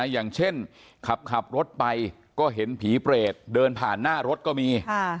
อย่างเช่นขับรถไปก็เห็นผีเปรตเดินผ่านหน้ารถก็มี